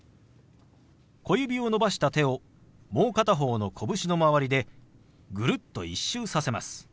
小指を伸ばした手をもう片方の拳の周りでぐるっと１周させます。